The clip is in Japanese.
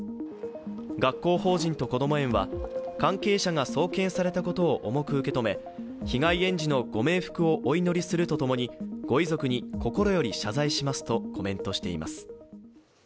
学校法人とこども園は関係者が送検されたことを重く受け止め、被害園児のご冥福をお祈りするとともにご遺族に心より謝罪しますとコメントしています。